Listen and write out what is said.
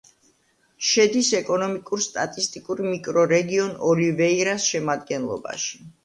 შედის ეკონომიკურ-სტატისტიკურ მიკრორეგიონ ოლივეირას შემადგენლობაში.